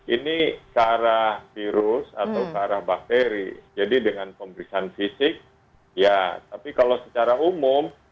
ini ke arah virus atau ke arah bakteri jadi dengan pemeriksaan fisik ya tapi kalau secara umum